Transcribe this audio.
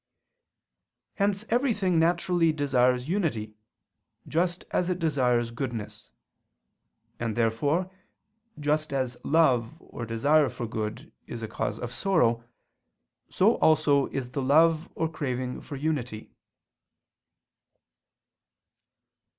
Hence everything naturally desires unity, just as it desires goodness: and therefore, just as love or desire for good is a cause of sorrow, so also is the love or craving for unity.